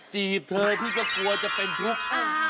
จีบเธอพี่ก็กลัวจะเป็นเบาหวาน